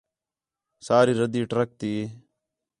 سارا ردی ٹرک تی